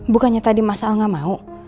bukannya tadi mas al gak mau